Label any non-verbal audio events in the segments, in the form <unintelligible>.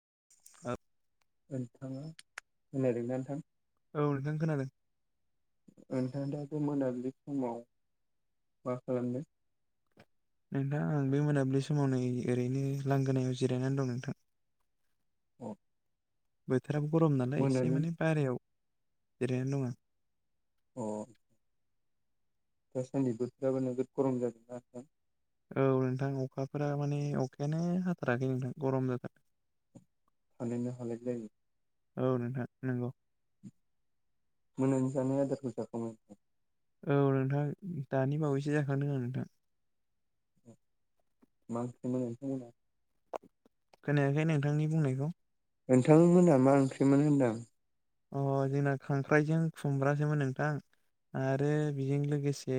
<unintelligible> नोंथाङा खोनादोंना नोंथां? औ नोंथां खोनादों। नोंथां दा बे मोनाबिलि समाव मा खालामदों? नोंथां आं बे मोनाबिलि समाव नै ओरैनो लांगोनायाव जिरायनानै दं नोंथां। औ बोथोराबो गरम नालाय एसे माने बाहायाव जिरायनानै दङ। अ दासानदि बोथोराबो नोगोद गरम जादोंना। औ नोंथां अखाफोरा माने अखायानो हाथाराखै नोंथां गरम जाथार थानोनो हालाय लायै। औ नोंथां नंगौ। मोननानै जानाय आदारखौ जाखांबाय। औ नोंथां दानि बावैसो जाखांदों नोंथां। मा ओंख्रिमोन नोंथांमोना? खोनायाखै नोंथांनि बुंनायखौ। नोंथांमोना मा ओंख्रिमोन होनदां? अ जोंना खांख्राइजों खुमब्रासोमोन नोंथां। आरो बेजों लोगोसे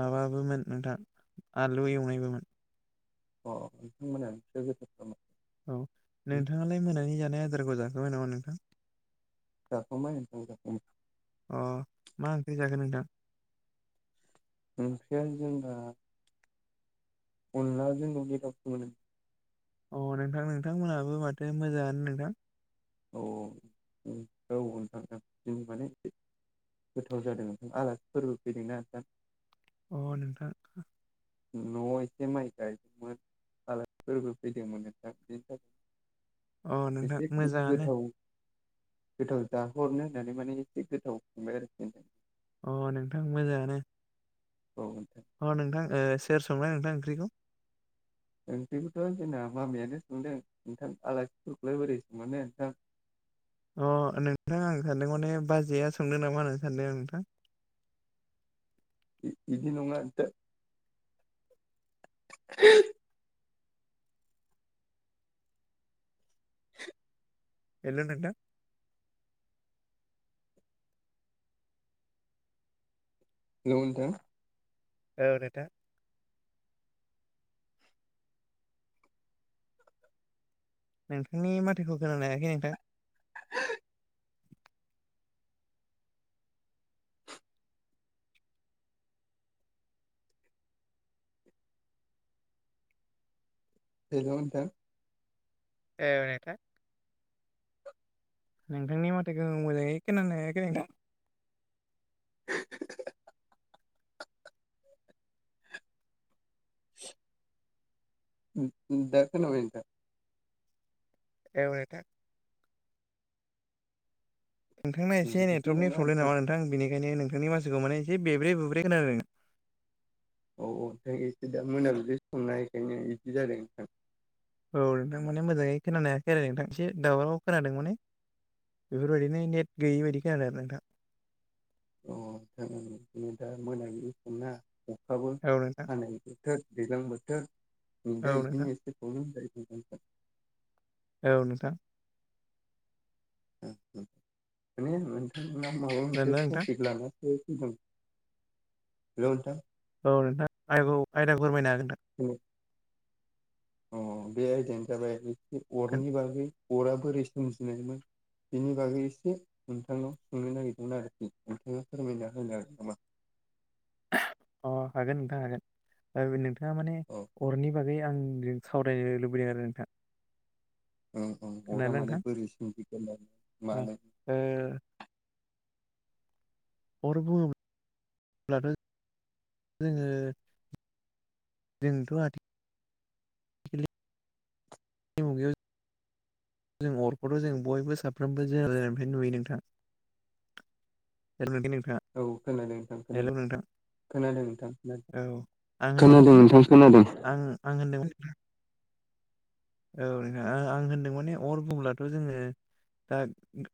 माबाबोमोन नोंथां आलु एवनायबोमोन। अ नोंथांमोनना गोथावथारमोन। औ नोंथाङालाय मोनानि जानाय आदारखौ जाखाय नामा नोंथां? जाखांबाय नोंथां जाखांबाय अ मा ओंख्रि जागोन नोंथां? ओंख्रिया जोंना अनलाजों न'नि दावसोमोन। अ नोंथां नोंथांमोनहाबो माथो मोजाङानो नोंथां। औ औ औ नोंथां जों माने गोथाव जादों ना आलासिफोरबो फैदोंना नोंथां। अ नोंथां। न'आव एसे माइ गायदोंमोन आलासिफोरबो फैदोंमोन नोंथां बिनि थाखाय अ नोंथां एसे मोजां गोथाव गोथाव जाहोहरनो होननानै माने एसे गोथाव संबाय आरोखि होन अ नोंथां मोजाङानो। औ अ नोंथां ओ सोर संनाय नोंथां ओंख्रिखौ? ओंख्रिखौथ' जोंना मामायानो सोंदों नोंथां आलासिफोरखौलाय बोरै संहोनो नोंथां। अ नोंथां आं सानदों माने बाजैया संदों नामा होननानै सानदों आं नोंथां। <inaudible> बिदि नङा नोंथां। हेलौ नोंथां। हेल' नोंथां। औ नोंथां। नोंथांनि माथोखौ खानानो हायाखै नोंथां। हेलौ नोंथां। ए नोंथां। नोंथांनि माथोखौ मोजाङै खोनानो हायाखै नोंथां। <unintelligible> दा‌ खोनाबाय नोंथां। औ‌ नोंथां। नोंथांना एसे बिदि नेटवर्कनि नङा प्रब्लेम नामा नोंथां बेनि- खायनो नोंथांनि माथोखौ माने एसे बेब्रे बुब्रे खोनादों। औ औ नोंथां एसे दा मोनाबलि समना बेखायनो इदि जादों नोंथां। औ नोंथां माने मोजाङै खोनानो हायाखै आरो नोंथां एसे दावराव खोनादों माने। बेफोरबायदिनो नेट गैयि बायदिखौ आरो नोंथां। अ जागोन दे दिनै दा मोनाबिलि समना अखाबो आरो नोंथां हानाय बोथोर दैज्लां बोथोर बेखायनो औ बिदिनो नोंथां एसे प्रब्लेम जायो। औ नोंथां। माने नोंथाङा माबा मोनसे खोनादोंना नोंथां टपिक लाना फैदों। हेल' नोंथां। औ नोंथां आय-आयदा फोरमायनो हागोन नोंथां। अ बे आयदायानो जाबाय एसे नोंथां अरनि बागै अरा बोरै सोमजिनायमोन। बिनि बागै एसे नोंथांनाव सोंनो नागिरदों आरोखि नोंथाङा फोरमायना होनो हागोन नामा? <inaudible> अ हागोन नोंथां हागोन नोंथाङा माने औ अरनि बागै आं सावरायनो लुबैदों आरो नोंथां। औ उम अरा खोनादोंना माने नोंथां बोरै सोमजिगोरनाय ओ मानो ओ अर बुङोब्ला ब्लाथ' जोङो जोंथ' आथिखालनि मुगायाव जों जों अरखौथ' जों बयबो साफ्रोमबो जोनोम जानायनिफ्रायनो नुयो नोंथां। <unintelligible> औ खोनादों नोंथां हेलौ खोनादों। नोंथां खोनादों नोंथां औ आं होनदों खोनादों माने नोंथां खोनादों। आं आं होनदों औ नोंथां आं होनदों माने अर बुंब्लाथ' जोङो दा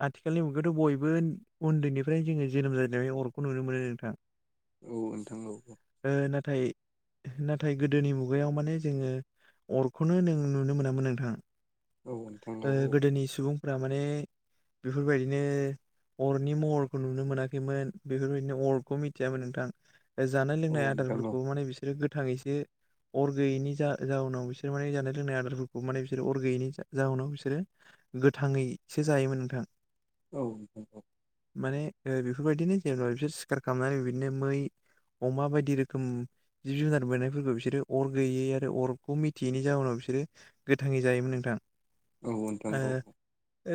आथिखालनि मुगायावथ' बयबो उन्दैनिफ्राय जोङो जोनोम जानाव अरखौ नुनो मोनो नोंथां। <inaudible> औ नोंथां औ। ओ नाथाय नाथाय गोदोनि मुगायाव माने जोङो अरखौनो नों नुनो मोना नोंथां औ नोंथां औ ओ गोदोनि सुबुंफोरा माने बेफोरबायदिनो अरनि महरखौ नुनो मोनाखैमोन बेफोरबायदिनो अरखौ मिथियामोन नोंथां। जानाय औ लोंनाय नोंथां औ आदारफोरखौ माने बिसोरो गोथाङैसो अर गैयिनि जा जााहनाव बिसोर माने जानाय लोंनाय आदारफोरखौ माने बिसोरो अर गैयैनि जाहनाव बिसोरो गोथाङैसो जायोमोन नोंथां। औ औ माने बेफोरबायदिनो जेनेबा बिसोर सिखार खालामनानै बिदिनो मै अमा बायदि रोखोम जिब जुनार मोनोननायफोरखौ बिसोरो अर गैयै आरो अरखौ मिथियैनि जाउनाव बिसोरो गोथाङै जायोमोन नोंथां औ नोंथां औ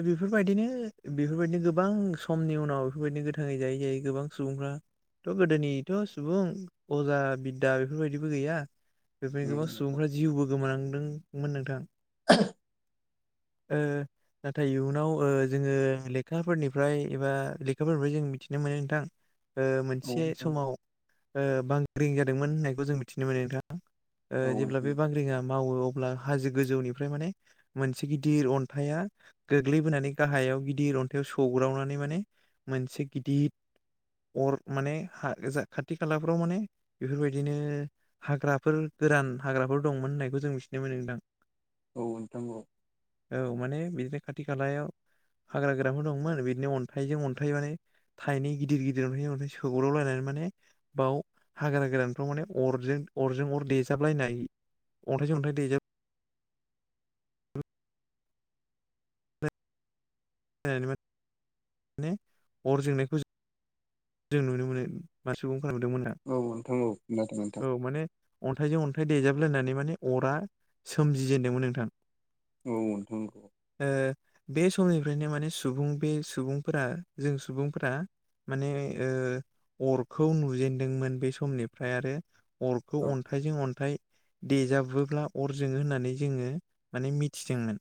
बेफोरबायदिनो बेफोरबायदिनो गोबां समनि उनाव बेफोरबायदि गोथाङै जायै जायै गोबां सुबुंफ्रा थ गोदोनिथ सुबुं अजा बिद्दा बेफोरबायदिबो गैया। बेफोरनो गोबां नोंथां सुबुंफ्रा जिउबो गोमानांदोंमोन नोंथां‌ <inaudible> <inaudible> नाथाय इयुनाव जोङो लेखाफोरनिफ्राय एबा लेखाफोरनिफ्राय जों मिथिनो मोनो नोंथां। औ मोनसे नोंथां समाव बांग्रिं जादोंमोन होननायखौ जों मिथिनो मोनो नोंथां। औ जेब्ला बे बांग्रिङा मावो अ हो गोजौनिफ्राय माने मोनसे गिदिर अन्थाइया गोग्लैबोनानै गाहायाव गिदिर अन्थाइयाव सौ दावनानै माने मोनसे गिदिर अर माने जा खाथि खालाफ्राव माने बेफोरबायदिनो हाग्राफोर गोरान हाग्राफोर दंमोन होननायखौ जों मिथिनो मोनदों। औ नोंथां औ औ माने बिदिनो खाथि खालायाव हाग्रा गोराफोर दंमोन बिदिनो अन्थाइजों अन्थाइ माने थाइनै गिदिर गिदिर अन्थाइजों अन्थाइ सोग्राव लायनानै माने बाव हाग्राा गोदानफ्राव माने अरजों अरजों अर देजाबलायनाय अथाय ज अन्थाय देजाब अर जोंनायखौ ज जों नुनो मोनो मासे खौ औ नोंथां औ नोंथां औ खोनादों नोंथां औ माने अन्थायजों अन्थाय दे लायनानै माने अरा सोमजिजेनदोंमोन नोंथां औ नोंगौ ओ बे समनिफ्रायनो माने सुबुं बे सुबुंफोरा जों सुबुंफोरा माने अरखौ नुजेनदोंमोन बे समनिफ्राय आरो अरखौ औ अन्थाइजों अन्थाइ देजाबोब्ला अर जोङो होननानै जोङो माने मिथिदोंमोन।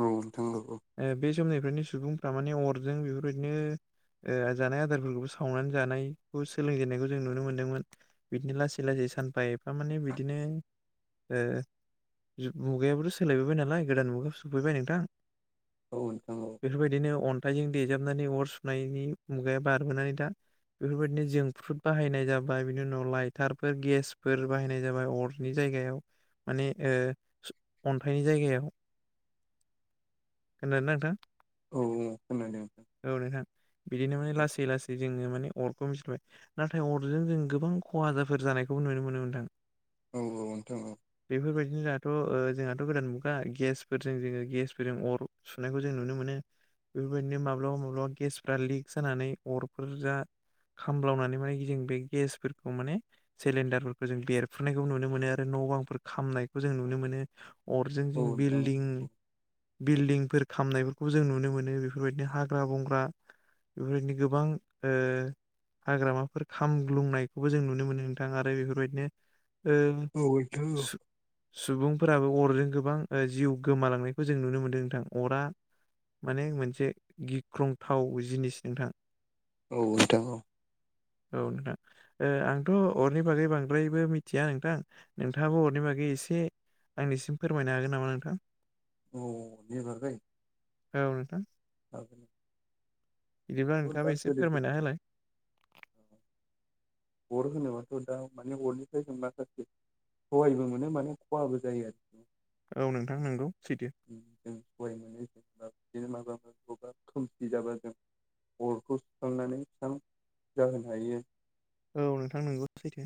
औ नोंथां ला बे समनिफ्रायनो सुबुंफ्रा माने अरजों बेफोरबायदिनो जानाय आदारफोरखौबो सावनानै जानायखौ सोलोंजेननायखौ जों नुनो मोन्दोंमोन बिदिनो लासै लासै सानफा एफा माने बिदिनो मुगायाबोथ सोलायबोबाय नालाय गोदान मुगायाव सफैबाय नोंथां। औ नोंथां औ बेफोरबायदिनो अन्थाइजों देजाबनानै अर सुनायनि मुगाया बारबोनानै दा बेफोरबायदिनो जोंफ्रुद बाहायनाय जाबाय बिनि उनाव लाइटारफोर गेसफोर बाहायनाय जाबाय अरनि जायग माने ओ अन्थनि जायगा खोनादोंना नोंथां? औ औ खोनादों नोंथां औ नोंथां बिदिनो माने औ लासै लासै लासै जोङो माने अरखौ मिथिबाय नाथाय अरजों जों गोबां खहा जाफोर जानायखौ नुनो मोनो नोंथां। औ औ नोंथां औ बेफोरबायदिनो जोंहाथ ओ जोंहाथ गोदान मुगा गेसफोरजों जोङो गेसफोरजों अर सुनायखौ जों नुनो मोनो। बेफोरबायदिनो माब्लाबा माब्लाबा गेसफ्रा लिक जानानै अरफोर जा खामलावनानै माने जों बे गेसफोरखौ माने सिलिणडारफोरखौ जों बेरफ्रुनायखौ नुनो मोनो आरो न' बांफोर खामनायखौ जों नुनो मोनो औ नोंथां औ नोंथां औ अरजों बिलदिं बिलदिं फोर खामनायफोरखौ जों नुनो मोनो बेफोरबायदिनो हाग्रा बंग्रा बेफोरबायदिनो गोबां ओ हाग्रामाफोर खामग्लुंनायखौबो जों नुनो मोनो नोंथां आरो बेफोरबायदिनो ओ सुबुंफोराबो अरजों गोबां जिउ गोमालांनायखौ जों नुनो मोनदों नोंथां अरा माने मोनसे गिख्रंथाव जिनिस नोंथां औ नोंथां औ औ नोंथां आंथ' अरनि बागै बांद्रायबो मिथिया नोंथां नोंथाङाबो अरनि बागै एसे आंनिसिम फोरमायनो हागोन नामा नोंथां? औ औ नोंथां औ बिदिब्ला बुहुद नोंथाङाबो दा एसे गोदोनि फोरमायना होलाय अर होनोबाथ' दा माने अरनिफ्राय जों माखासे सहायबो मोनो माने खहाबो जायो आरो। औ नोंथां नोंगौ सैथो जों सहाय मोनो जेनेबा बिदिनो माबा बबेबा खोमसि जाबा जों अरखौ सुखांनानै बिस्रां जाहोनो हायो। औ नोंथां नोंगौ सैथो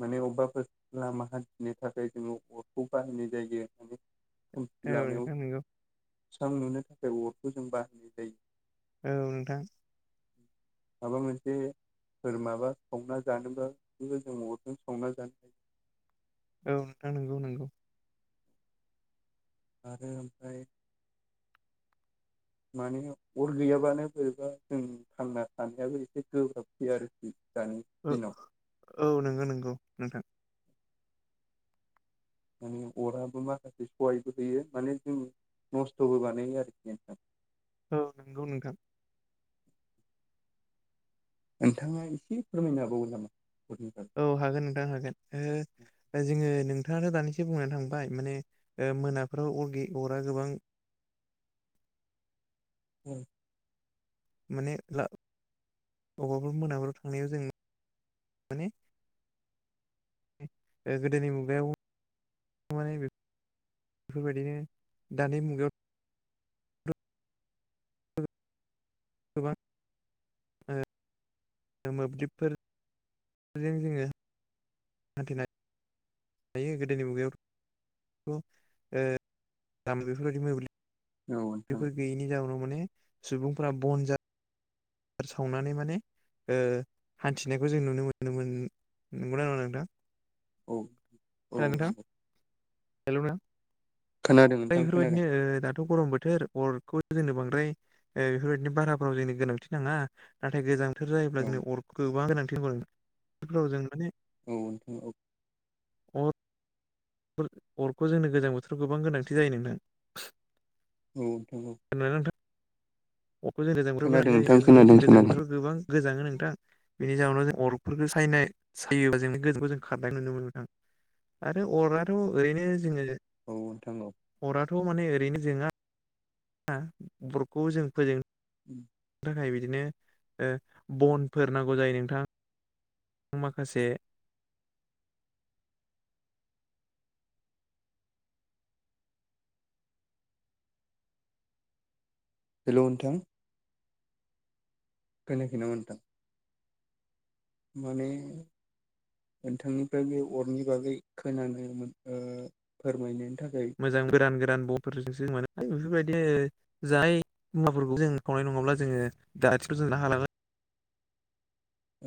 माने अबेबाफोर लामा हान्थिनो थाखाय जोङो अरखौ बाहायनाय जायो। खोमसि औ लामायाव नोंथां नंगौ सस्रां नुनो थाखाय अरखौ जों बाहायनाय जायो। औ नोंथां माबा मोनसे सोर माबा संना जानोबाबो जों अर संना जानो औ नोंथां नंगौ नंगौ आरो ओमफ्राय <inaudible> माने अर गैयाबानो बोरैबा जों थांना थानायाबो एसे गोब्राबसै आरोखि दानि ओ दिनाव औ नंगौ नंगौ नोंथां माने अराबो माखासे सहायबो होयो माने जोंनि नस्थ'बो बानायो आरोखि नोंथां औ नंगौ नोंथां नोंथाङा एसे फोरमायनो हाबावगोन नामा? अरनि बागै? औ हागोन नोंथां हागोन दा जोङो नोंथाङाथो दानिसो बुंना थांबाय माने ओ मोनाफोराव अरे अरा गोबां औ माने अबेबाफोर मोनाफोराव थांनायाव जों माने गोदोनि मुगायाव माने बेफोरबायदिनो दानि मुगायाव गोबां ओ मोब्लिबफोर बेजों जोङो हान्थिनाय हायो गोदोनि मुगायावथ' दा बेफोरबायदि मोब्लिब नोंथां बेफोर गैयिनि जाउनाव माने सुबुंफोरा बन जा सावनानै माने ओ हान्थिनायखौ जों नुनो मोनोमोन नंगौ नङा नोंथां औ औ हेल' नों खोनादों नोंथां बेफोर खोनादों बायदिनो ओ दाथ' गरम बोथोर अरखौ जोंनो बांद्राय ओ बेफोर बायदिनो बाराफोराव जोंनि गोनांथि नाङा नाथाय गोजां बोथोर जायोब्ला औ जों अरखौ गोबां गोनांथि बेफोराव जों माने औ नोंथां औ। अ- अरखौ जोंनो गोजां बोथोराव गोबां गोनांथि जायो नोंथां। औ नंगौ। खोनादोंना नोंथां <inaudible> जों गोजां बोथोर बोनायनाय जायो नोंथां बेफोरनि खोनादों जों गोजां खोनादों बोथोराव गोबां गोजाङो नोंथां। बेनि जाहोनाव जों अरगफोरखौ सायनाय सायोबा जोंनि गोजांखौ जों खारनाय नुनो मोनो नोंथां। आरो अराथ' ओरैनो जोङो औ नोंथां औ थ' माने ओरैनो जोङा अरखौ जों फोजोंनो थाखाय बिदिनो ओ बनफोर नांगौ जायो नोंथां माखासे हेल' नोंथां खोनायाखै नामा नोंथां? माने नोंथांनिफ्राय बे अरनि बागै खोनानो ओ फोरमायनो मोजां गोरान गोरान बफोरजोंसो मोनो बेफोर बायदि जाय मुवाफोरखौ जों संनाय नङाब्ला जोङो दा आथिखालाव हालाङो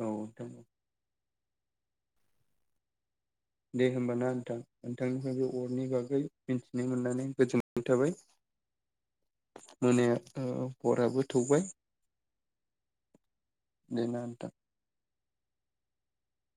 औ नोंथां दे होमबाना नोंथां नोंथांनिफ्राय बे अरनि बागै मिथिनो मोननानै गोजोननाय थाबाय। <inaudible> मोनाया ओ हराबो थौबाय दे ना नोंथा